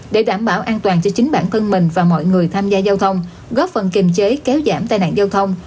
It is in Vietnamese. để đảm bảo an toàn cho chính bản thân mình và mọi người tham gia giao thông góp phần kiềm chế kéo giảm tai nạn giao thông